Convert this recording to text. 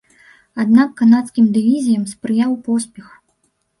Аднак канадскім дывізіям спрыяў поспех.